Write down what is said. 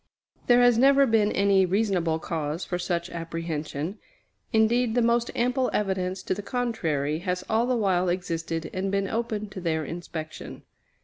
There has never been any reasonable cause for such apprehension. Indeed, the most ample evidence to the contrary has all the while existed and been open to their inspection.